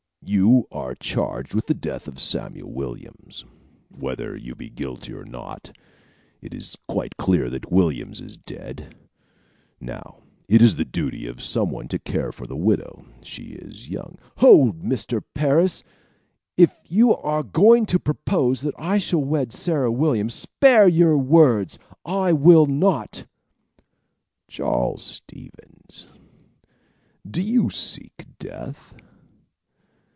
"You are charged with the death of Samuel Williams. Whether you be guilty or not, it is quite clear that Williams is dead. Now it is the duty of some one to care for the widow. She is young " "Hold, Mr. Parris! If you are going to propose that I shall wed Sarah Williams, spare your words; I will not." "Charles Stevens, do you seek death?" [Illustration: "Charles Stevens, do you seek death?"